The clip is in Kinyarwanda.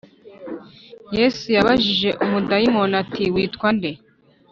yesu yabajije umudayimoni ati, “witwa nde ?”